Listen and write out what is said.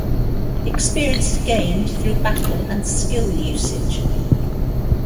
Experience is gained through battle and skill usage.